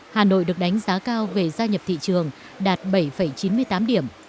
hà nội được đánh giá cao về gia nhập thị trường đạt bảy chín mươi tám điểm